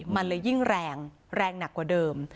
มันเลยยิ่งแรงแรงหนักกว่าเดิม